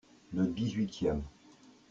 le dix-huitième.